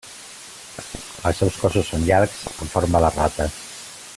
Els seus cossos són llargs amb forma de rata.